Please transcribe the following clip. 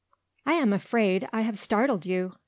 "I am afraid I have startled you?"